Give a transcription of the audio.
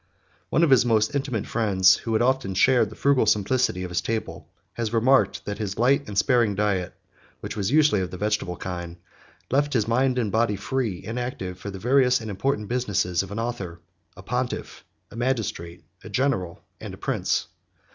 One of his most intimate friends, 49 who had often shared the frugal simplicity of his table, has remarked, that his light and sparing diet (which was usually of the vegetable kind) left his mind and body always free and active, for the various and important business of an author, a pontiff, a magistrate, a general, and a prince.